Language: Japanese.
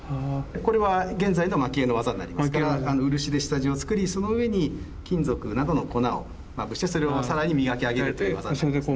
これは現在の蒔絵の技になりますから漆で下地を作りその上に金属などの粉をまぶしてそれを更に磨き上げるという技になりますね。